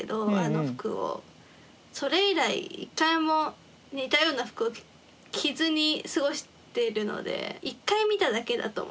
それ以来１回も似たような服を着ずに過ごしてるので１回見ただけだと思う。